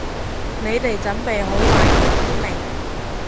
你哋準備好玩激啲未？